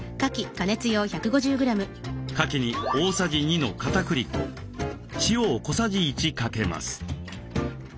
かきに大さじ２のかたくり粉塩を小さじ１かけます。